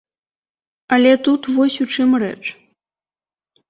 Але тут вось у чым рэч.